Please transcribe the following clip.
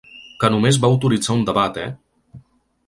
Que només va autoritzar un debat, eh!